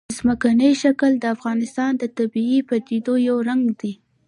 ځمکنی شکل د افغانستان د طبیعي پدیدو یو رنګ دی.